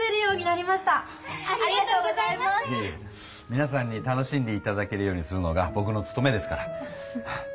みなさんに楽しんでいただけるようにするのがぼくのつとめですから。